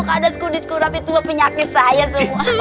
kadat kudis kurap itu penyakit saya semua